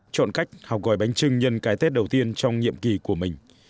chọn cách học gói bánh trưng nhân cái tết đầu tiên trong nhiệm kỳ của mình